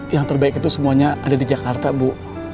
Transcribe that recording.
yang terbaik itu semuanya ada di jakarta bu